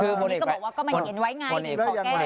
คุณอีกก็บอกว่าก็มันเขียนไว้ไงมีข้อแก้